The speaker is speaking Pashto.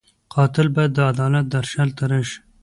قاتل باید د عدالت درشل ته راشي